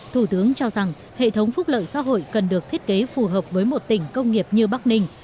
thủ tướng cho rằng hệ thống phúc lợi xã hội cần được thiết kế phù hợp với một tỉnh công nghiệp như bắc ninh